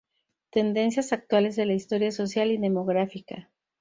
Tendencias actuales de la historia social y demográfica.